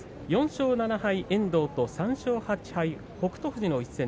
４勝７敗遠藤と３勝８敗北勝